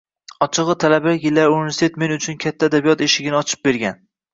Ochig`i, talabalik yillari universitet men uchun katta adabiyot eshigini ochib bergan